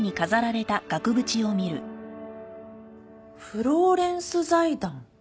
フローレンス財団？